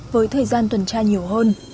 với thời gian tuần tra nhiều hơn